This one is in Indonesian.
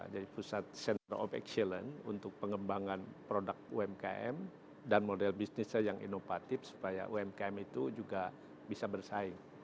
jadi pusat center of excellence untuk pengembangan produk umkm dan model bisnisnya yang inovatif supaya umkm itu juga bisa bersaing